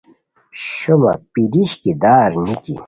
شومہ پلیشکی دار نِکی